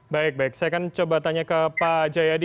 baik baik saya akan coba tanya ke pak jayadi